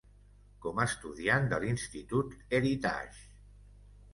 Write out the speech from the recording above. Com estudiant de L'Institut Heritage